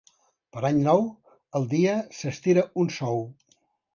Per Any Nou el dia s'estira un sou.